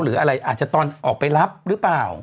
หรืออะไรอาจจะตอนออกไปรับหรือเปล่า